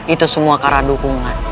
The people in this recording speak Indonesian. itu semua karena dukungan